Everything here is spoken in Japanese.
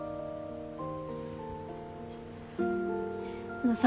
あのさ